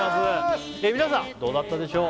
皆さんどうだったでしょう？